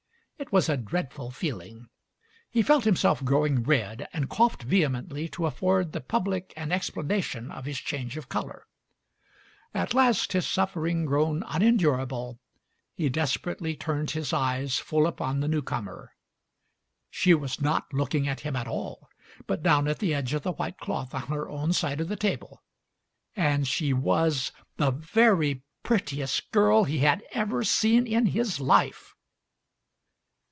It was a dreadful feeling. He felt himself growing red, and coughed vehe mently to afford the public an explanation of his change of colour. At last, his suffering grown un endurable, he desperately turned his eyes full upon the newcomer. She was not looking at him at all, but down at the edge of the white cloth on her own side of the table; and she was the very prettiest girl he had ever seen in his life.